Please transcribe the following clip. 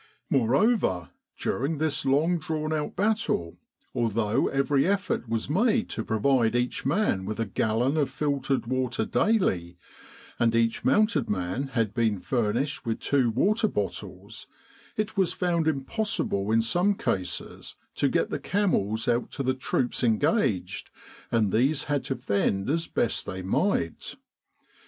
Moreover, during this long drawn out battle, although every effort was made to provide each man with a gallon of filtered water daily, and each mounted man had been furnished with two water bottles, it was found impossible in some cases to get the camels out to the troops engaged, and these had to fend as best they might.